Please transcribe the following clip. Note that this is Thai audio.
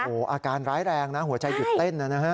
โอ้โหอาการร้ายแรงนะหัวใจหยุดเต้นนะฮะ